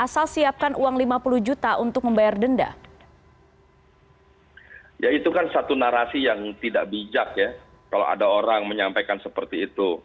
mereka riset untuk membayar denda dan bukan untuk history online itu